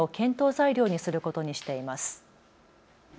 材料にすることにしています。